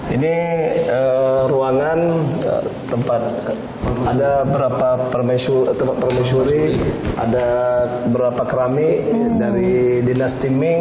ini ruangan tempat ada berapa permain suri ada berapa kerami dari dinasti ming